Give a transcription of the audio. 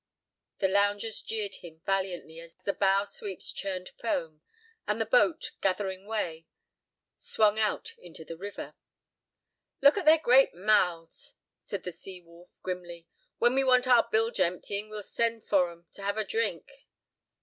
The loungers jeered him valiantly as the bow sweeps churned foam, and the boat, gathering weigh, swung out into the river. "Look at their great mouths," said the sea wolf, grimly; "when we want our bilge emptying we'll send for 'em to have a drink."